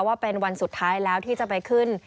ว่าเป็นวันสุดท้ายแล้วที่จะไปขึ้น